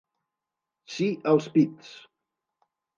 Sí, als pits.